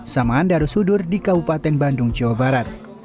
samaan darussudur di kabupaten bandung jawa barat